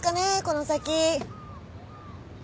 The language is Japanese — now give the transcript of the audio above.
この先。